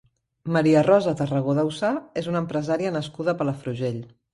Maria Rosa Tarragó Daussà és una empresària nascuda a Palafrugell.